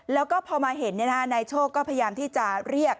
แล้วก็พอมาเห็นนายโชคก็พยายามที่จะเรียก